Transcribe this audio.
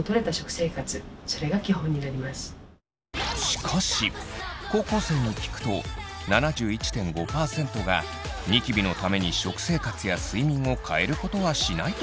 しかし高校生に聞くと７１．５％がニキビのために食生活や睡眠を変えることはしないと答えています。